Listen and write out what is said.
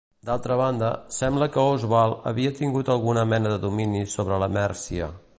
D’altra banda, sembla que Osvald havia tingut alguna mena de domini sobre la Mèrcia.